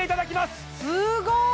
すごーい！